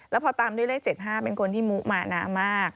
แล้วพอตามด้วยเลข๗๕เป็นคนที่มุมานะมาก